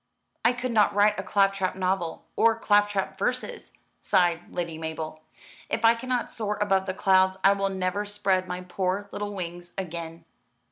"I could not write a claptrap novel, or claptrap verses," sighed Lady Mabel. "If I cannot soar above the clouds, I will never spread my poor little wings again."